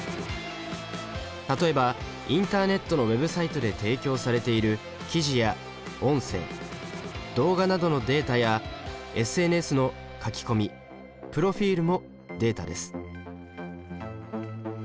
例えばインターネットのＷｅｂサイトで提供されている記事や音声動画などのデータやＳＮＳの書き込みプロフィールもデータです。